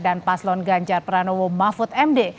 dan paslon ganjar pranowo mahfud md